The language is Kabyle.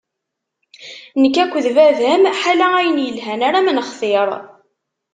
Nekk akked baba-m ḥala ayen yelhan ara m-nextir.